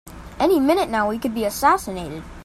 Any minute now we could be assassinated!